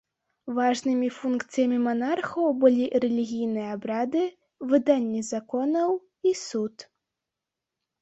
Важнымі функцыямі манархаў былі рэлігійныя абрады, выданне законаў і суд.